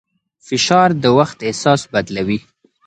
فشار د وخت احساس بدلوي.